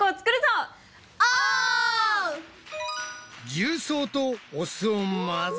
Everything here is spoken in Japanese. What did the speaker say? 重曹とお酢を混ぜ。